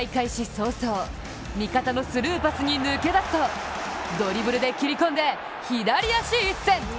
早々、味方のスルーパスに抜け出すとドリブルで切り込んで左足いっせん！